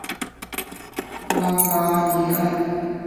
拉戈阿尼埃。